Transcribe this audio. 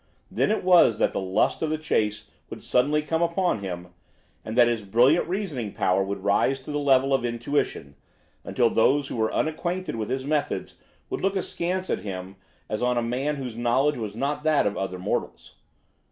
Then it was that the lust of the chase would suddenly come upon him, and that his brilliant reasoning power would rise to the level of intuition, until those who were unacquainted with his methods would look askance at him as on a man whose knowledge was not that of other mortals.